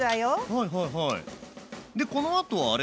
はいはいはい。